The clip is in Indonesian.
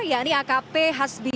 ya ini akp hasbih